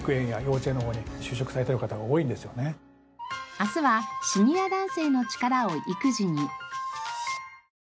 明日はシニア男性の力を育児に。